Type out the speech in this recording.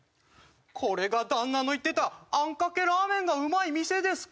これが旦那の言ってたあんかけラーメンがうまい店ですか？